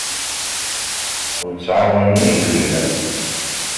Ur ttɛawanen igellilen.